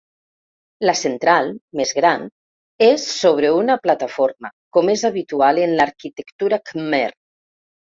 La central, més gran, és sobre una plataforma com és habitual en l'arquitectura khmer.